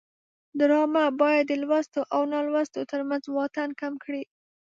ډرامه باید د لوستو او نالوستو ترمنځ واټن کم کړي